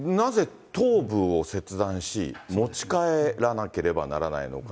で、なぜ、頭部を切断し、持ち帰らなければならないのか。